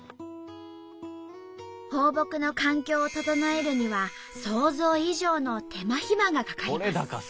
放牧の環境を整えるには想像以上の手間ひまがかかります。